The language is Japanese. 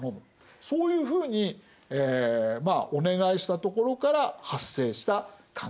そういうふうにお願いしたところから発生した関係なんです。